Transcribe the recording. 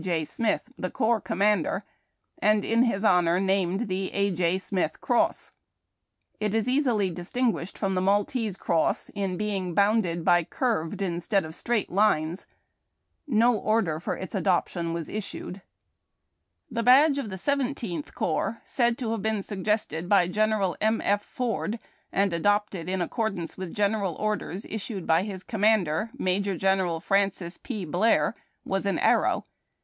J. Smith, the corps commander, and, in his honor, named the ''A. J. Smith Cross." It is easily distin guished from the Maltese cross, in being bounded by curved FIRST AND FIFTH CORPS BADGES COMBINED. 264 HAED TACK AND COFFEE. instead of straight lines. No order for its adoption was issued. The badge of the Seventeenth Corps, said to have been suggested by General M. F. Ford, and adopted in accord ance with General Orders issued by his commander, Major General Francis P. Blair, was an arrow.